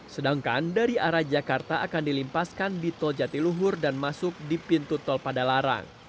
sedangkan dari arah jakarta akan dilimpaskan di tol jatiluhur dan masuk di pintu tol padalarang